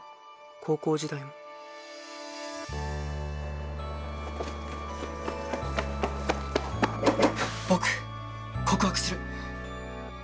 高校時代も僕告白する！